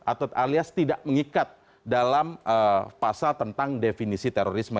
atau alias tidak mengikat dalam pasal tentang definisi terorisme